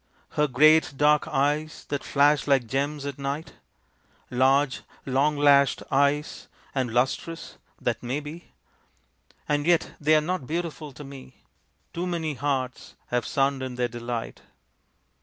"Her great dark eyes that flash like gems at night? Large, long lashed eyes and lustrous?" that may be, And yet they are not beautiful to me. Too many hearts have sunned in their delight.